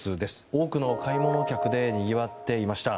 多くの買い物客でにぎわっていました。